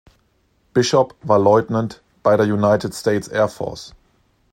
Bishop war Leutnant bei der United States Air Force.